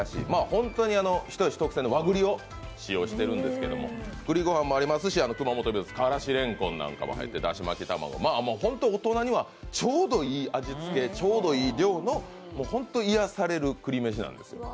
本当に人吉特製の和栗を使用しているんですけど、くり御飯もありますし熊本名物からしれんこんも入っていてだし巻き卵も、ホント大人にはちょうどいい味付け、ちょうどいい量の、本当に癒やされる栗めしなんです。